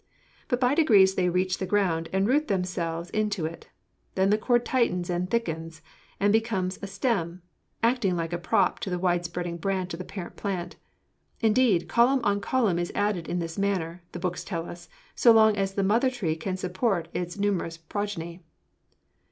But by degrees they reach the ground and root themselves into it; then the cord tightens and thickens and becomes a stem, acting like a prop to the widespreading branch of the parent plant. Indeed, column on column is added in this manner, the books tell us, so long as the mother tree can support its numerous progeny."